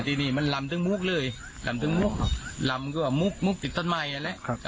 แต่ทีนี้มันลำถึงมุกเลยลำถึงมุกครับลำก็มุกมุกติดต้นไหมอันแหละครับ